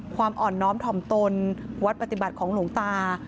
ความอ่อนน้อมถ่อมตนวัดปฏิบัติของหลวงตา